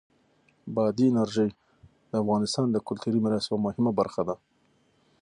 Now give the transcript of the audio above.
بادي انرژي د افغانستان د کلتوری میراث یوه مهمه برخه ده.